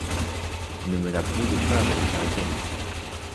Ne mela brouillez pas avec la rhétorique.